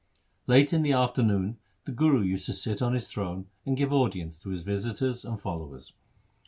Late in the afternoon the Guru used to sit on his throne, and give audience to his visitors and followers.